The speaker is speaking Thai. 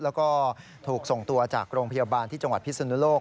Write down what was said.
แล้วก็ถูกส่งตัวจากโรงพยาบาลที่จังหวัดพิศนุโลก